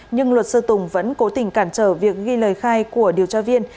nhưng luật sư tùng vẫn cố tình cản trở việc ghi lời khai của điều tra viên